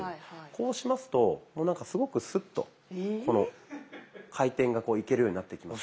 こうしますとなんかすごくスッとこの回転がいけるようになってきますので。